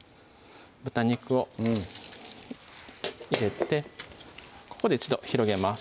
豚肉を入れてここで一度広げます